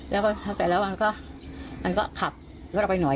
แล้วพอเสร็จแล้วมันก็มันก็ขับรถออกไปหน่อย